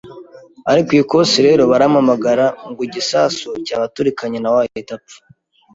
ari ku ikosi rero barampamagara ngo igisasu cyabaturikanye nawe ahita apfa,